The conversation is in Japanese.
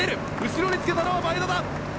後ろにつけたのは前田だ。